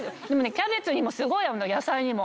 キャベツにもすごい合うの野菜にも。